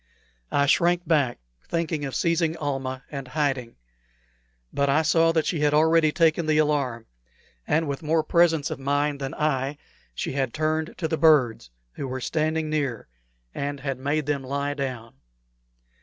I shrank back, thinking of seizing Almah and hiding. But I saw that she had already taken the alarm, and with more presence of mind than I had she had hurried to the birds, who were standing near, and had made them lie down.